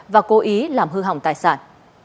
và cố ý làm hư hỏng tài sản